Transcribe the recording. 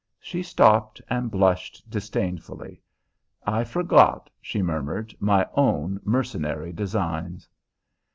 She stopped, and blushed disdainfully. "I forgot," she murmured, "my own mercenary designs."